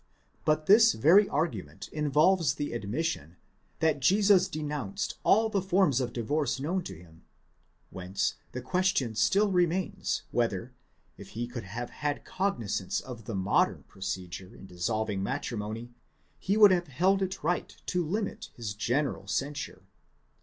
19 But this very argument involves the admission, that Jesus denounced all the forms of divorce known to him; hence the question still remains whether, if he could have had cog nizance of the modern procedure in dissolving matrimony, he would have held it right to limit his general censure.